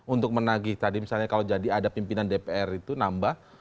untuk menagih tadi misalnya kalau jadi ada pimpinan dpr itu nambah